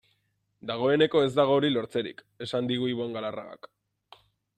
Dagoeneko ez dago hori lortzerik, esan digu Ibon Galarragak.